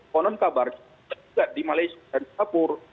konon kabar juga di malaysia dan sepur